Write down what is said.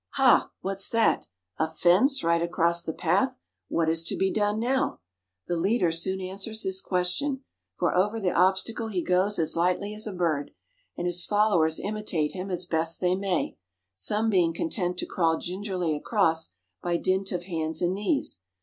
Ha! What's that? A fence right across the path? What is to be done now? The leader soon answers this question, for over the obstacle he goes as lightly as a bird, and his followers imitate him as best they may, some being content to crawl gingerly across by dint of hands and knees.